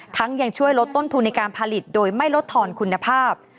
ยังช่วยลดต้นทุนในการผลิตโดยไม่ลดทอนคุณภาพ